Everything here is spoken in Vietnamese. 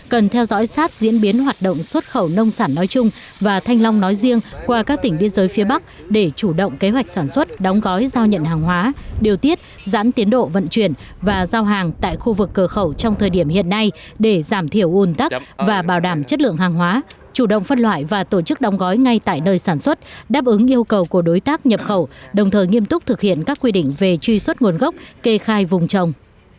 cần theo dõi sát diễn biến hoạt động xuất khẩu nông sản nói chung và thanh long nói riêng qua các tỉnh biên giới phía bắc để chủ động kế hoạch sản xuất đóng gói giao nhận hàng hóa điều tiết giãn tiến độ vận chuyển và giao hàng tại khu vực cửa khẩu trong thời điểm hiện nay để giảm thiểu un tắc và bảo đảm chất lượng hàng hóa chủ động phân loại và tổ chức đóng gói ngay tại nơi sản xuất đáp ứng yêu cầu của đối tác nhập khẩu đồng thời nghiêm túc thực hiện các quy định về truy xuất nguồn gốc kê khai vùng trồng